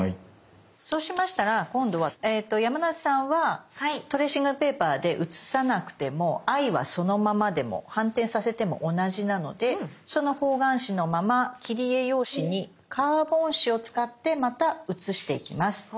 そうしましたら今度は山之内さんはトレーシングペーパーで写さなくても「Ｉ」はそのままでも反転させても同じなのでその方眼紙のまま切り絵用紙にカーボン紙を使ってまた写していきます。